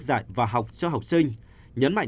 giải và học cho học sinh nhấn mạnh